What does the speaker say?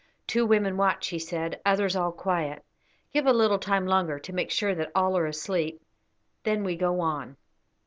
"Two women watch," he said, "others all quiet. Give a little time longer, to make sure that all are asleep, then we go on."